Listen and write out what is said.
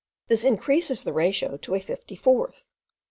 This increases the ratio to a fifty fourth.